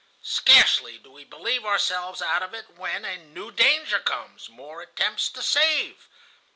Scarcely do we believe ourselves out of it when a new danger comes: more attempts to save.